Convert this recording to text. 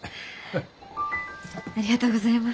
ありがとうございます。